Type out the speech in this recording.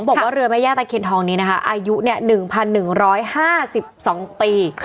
บอกว่าเรือแม่ย่าตะเคียนทองนี้นะคะอายุ๑๑๕๒ปี